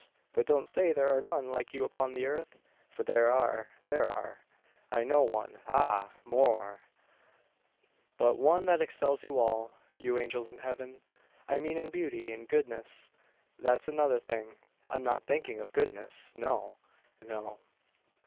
But don't say there are none like you upon the Earth; for there are there are. I know one ah! more but one that excels you all, you angels in heaven! I mean in beauty in goodness, that's another thing. I'm not thinking of goodness no; no."